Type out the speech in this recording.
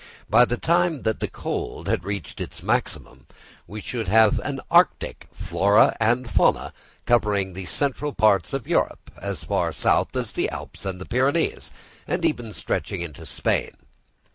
By the time that the cold had reached its maximum, we should have an arctic fauna and flora, covering the central parts of Europe, as far south as the Alps and Pyrenees, and even stretching into Spain.